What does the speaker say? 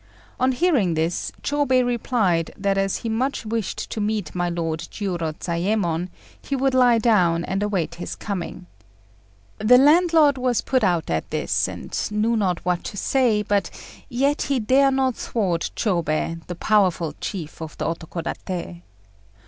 On hearing this, Chôbei replied that as he much wished to meet my Lord Jiurozayémon, he would lie down and await his coming. The landlord was put out at this, and knew not what to say; but yet he dare not thwart Chôbei, the powerful chief of the Otokodaté.